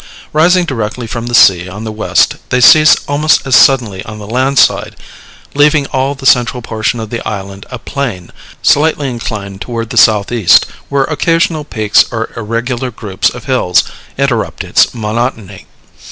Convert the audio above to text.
Rising directly from the sea on the west, they cease almost as suddenly on the land side, leaving all the central portion of the island a plain, slightly inclined toward the southeast, where occasional peaks or irregular groups of hills interrupt its monotony.